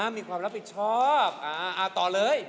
มีความรับผิดชอบต่อเลย